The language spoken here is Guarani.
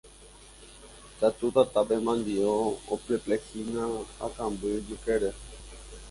katu tatápe mandi'o opleplehína ha kamby ijykére